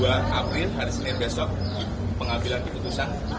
saya berharap bahwa saya sudah berhasil mengambil keputusan